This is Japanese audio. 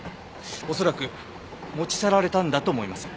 恐らく持ち去られたんだと思います。